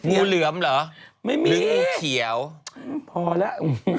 งูเหลือมเหรอดึงเขียวไม่มีพอแล้ว